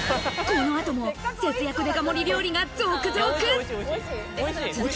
この後も節約デカ盛り料理が続々。